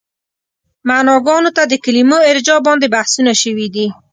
معناګانو ته د کلمو ارجاع باندې بحثونه شوي دي.